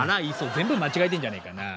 全部間違えてんじゃねえかなあ。